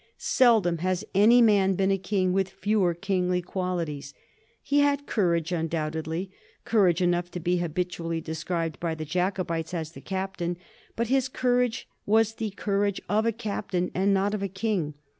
Seldom has any man been a king with fewer kingly qualities. He had courage, undoubt edly — courage enough to be habitually described by the Jacobites as *^ the Captain," but his courage was the cour age of a captain and not of a king.